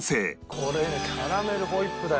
これにキャラメルホイップだよ。